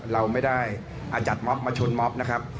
เราไม่ได้จัดม็อบมาชนม็อบ